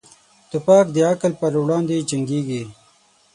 توپک د عقل پر وړاندې جنګيږي.